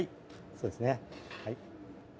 そうですね